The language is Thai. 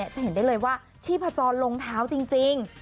จะเห็นได้เลยว่าชีพจรลงเท้าจริง